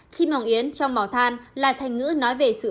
chim hoàng yến trong mỏ than là thành ngữ nói về sự